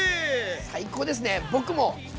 最高ですね。